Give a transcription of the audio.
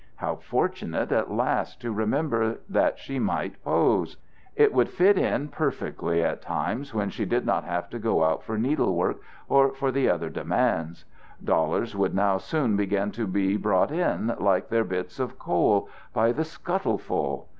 How fortunate at last to remember that she might pose! It would fit in perfectly at times when she did not have to go out for needlework or for the other demands. Dollars would now soon begin to be brought in like their bits of coal, by the scuttleful!